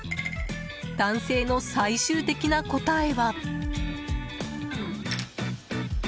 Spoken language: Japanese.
男性の最終的な答えは。